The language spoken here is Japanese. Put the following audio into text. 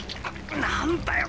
何だよ